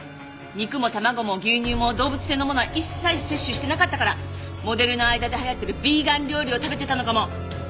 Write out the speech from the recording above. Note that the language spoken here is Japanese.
肉も卵も牛乳も動物性のものは一切摂取してなかったからモデルの間で流行ってるビーガン料理を食べてたのかも。